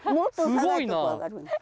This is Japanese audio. すごいな！